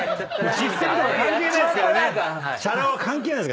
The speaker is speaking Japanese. システムとか関係ないですからね。